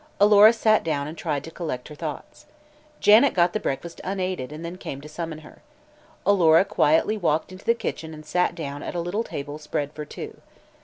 Alora sat down and tried to collect her thoughts. Janet got the breakfast unaided and then came to summon her. Alora quietly walked into the kitchen and sat down at a little table spread for two.